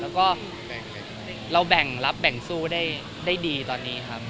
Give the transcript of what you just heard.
แล้วก็เราแบ่งรับแบ่งสู้ได้ดีตอนนี้ครับ